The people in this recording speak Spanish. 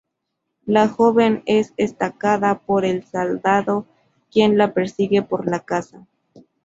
La joven es estacada por el soldado, quien la persigue por la casa.